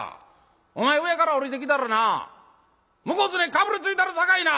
お前上から下りてきたらな向こうずねかぶりついたるさかいな！」。